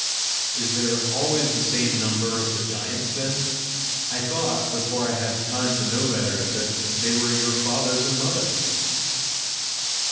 "Is there always the same number of the giants then? I thought, before I had time to know better, that they were your fathers and mothers."